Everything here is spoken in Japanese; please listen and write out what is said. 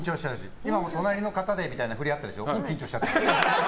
今も隣の方でみたいな振りがあったでしょ。